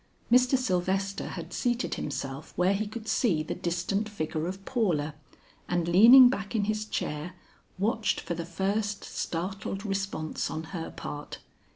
Mr. Sylvester had seated himself where he could see the distant figure of Paula, and leaning back in his chair, watched for the first startled response on her part.